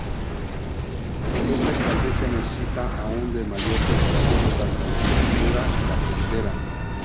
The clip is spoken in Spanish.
Esta estrategia necesita aún de mayor precisión tanto la estructura y la frontera.